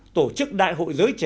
tổ chức đại hội giới trẻ